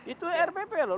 itu rpp loh